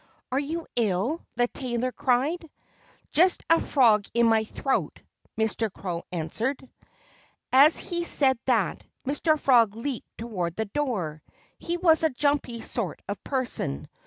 "Are you ill?" the tailor cried. "Just a frog in my throat!" Mr. Crow answered. As he said that. Mr. Frog leaped toward the door. He was a jumpy sort of person.